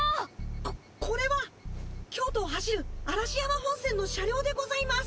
ここれは京都を走る嵐山本線の車両でございます！